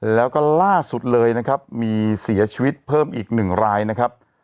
แล้วก็ล่าสุดเลยนะครับมีเสียชีวิตเพิ่มอีก๑รายนะครับ